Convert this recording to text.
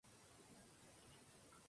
Marchó para La Habana ese mismo año.